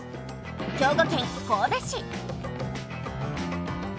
兵庫県神戸市。